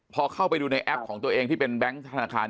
พอเข้าไปดูในแอปของตัวเองที่เป็นแบงค์ธนาคาร